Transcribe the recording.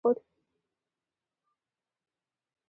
د نوي اسلامي دولت بنسټ کېښود.